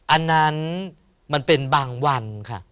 อันนั้นมันเป็นบางวันค่ะ